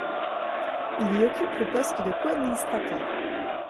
Il y occupe le poste de coadministrateur.